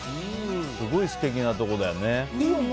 すごい素敵なところだよね。